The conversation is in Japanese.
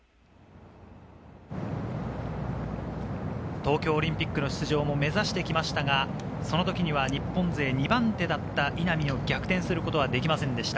東京オリンピックの出場も目指してきましたがその時には日本勢２番手だった稲見を逆転することができませんでした。